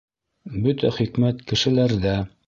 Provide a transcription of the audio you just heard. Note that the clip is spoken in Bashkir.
Бөтә хикмәт — кешеләрҙә...